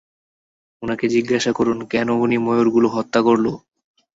উনাকে জিজ্ঞাসা করুন কেন উনি ময়ূরগুলো হত্যা করলো?